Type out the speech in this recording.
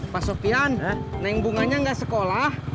pak sofian naik bunganya nggak sekolah